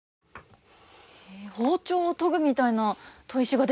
包丁を研ぐみたいな砥石が出てきましたね。